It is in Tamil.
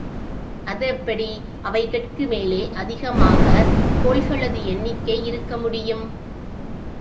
அதெப்படி அவைகட்கு மேலே அதிகமாகக் கோள்களது எண்ணிக்கை இருக்க முடியும்?